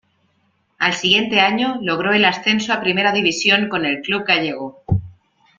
Al siguiente año, logró el ascenso a Primera División con el club gallego.